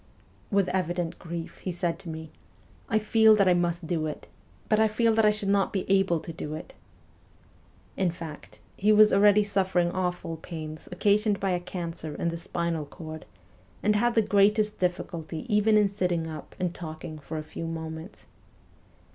With evident grief he said to me :' I feel that I must do it, but I feel I shall not be able to do it.' In fact, he was already suffering awful pains occasioned by a cancer in the spinal cord, and had the greatest difficulty even in sitting up and talking for a few moments.